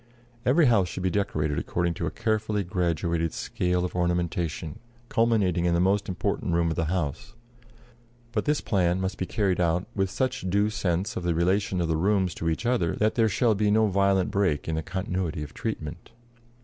Every house should be decorated according to a carefully graduated scale of ornamentation culminating in the most important room of the house; but this plan must be carried out with such due sense of the relation of the rooms to each other that there shall be no violent break in the continuity of treatment.